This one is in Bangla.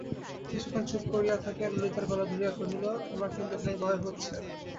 কিছুক্ষণ চুপ করিয়া থাকিয়া ললিতার গলা ধরিয়া কহিল, আমার কিন্তু ভাই ভয় হচ্ছে।